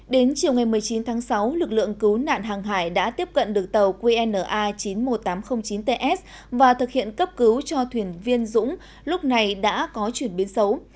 đến chiều ngày một mươi chín tháng sáu lực lượng cứu nạn hàng hải đã tiếp cận được tàu qna chín mươi một nghìn tám trăm linh chín ts và thực hiện cấp cứu cho thuyền viên dũng lúc này đã có chuyển biến xấu